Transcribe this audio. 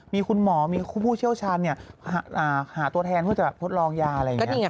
มีคุณหมอมีผู้เชี่ยวชาญหาตัวแทนเพื่อจะทดลองยาอะไรอย่างนี้